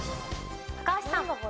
高橋さん。